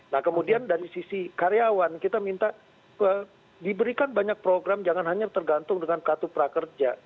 nah kemudian dari sisi karyawan kita minta diberikan banyak program jangan hanya tergantung dengan kartu prakerja